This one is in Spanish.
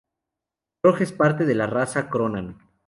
Korg es parte de la raza Kronan.